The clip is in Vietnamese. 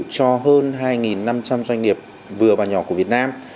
cho hơn hai năm trăm linh doanh nghiệp vừa và nhỏ của việt nam